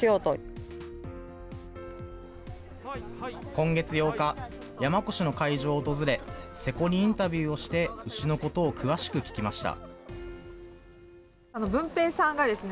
今月８日、山古志の会場を訪れ、勢子にインタビューをして牛のことを詳しく聞きました。